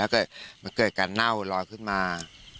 ถ้าเกิดการเน่าลอยขึ้นมา